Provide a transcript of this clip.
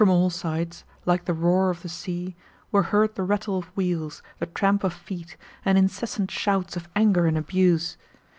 From all sides, like the roar of the sea, were heard the rattle of wheels, the tramp of feet, and incessant shouts of anger and abuse.